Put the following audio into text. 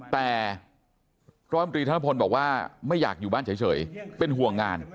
แต่ร้อยมตรีธนพลบอกว่าไม่อยากอยู่บ้านเฉยเป็นห่วงงาน